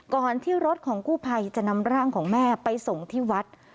ก่อนที่รถของกู้ภัยจะนำร่างของแม่ไปส่งที่วัด